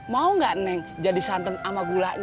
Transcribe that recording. mau nggak neng jadi santan sama gulanya